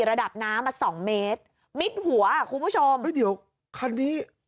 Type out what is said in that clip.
ระดับน้ำอ่ะสองเมตรมิดหัวคุณผู้ชมแล้วเดี๋ยวคันนี้